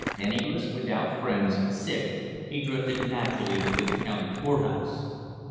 Penniless, without friends, sick, he drifted naturally to the county poorhouse.